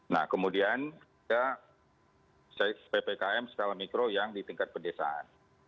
nah kemudian ppkm skala mikro yang di tingkat pedesaan